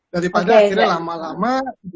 daripada akhirnya lama lama